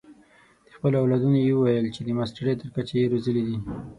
د خپلو اولادونو یې وویل چې د ماسټرۍ تر کچې یې روزلي دي.